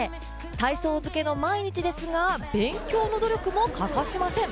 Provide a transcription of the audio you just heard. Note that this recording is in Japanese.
体操漬けの毎日ですが、勉強の努力も欠かしません。